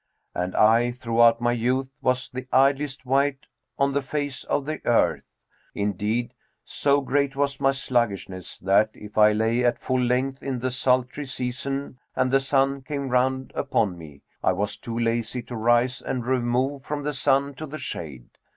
And I throughout my youth was the idlest wight on the face of the earth; indeed, so great was my sluggishness that, if I lay at full length in the sultry season and the sun came round upon me, I was too lazy to rise and remove from the sun to the shade.